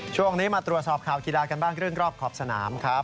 ช่วงนี้มาตรวจสอบข่าวกีฬากันบ้างเรื่องรอบขอบสนามครับ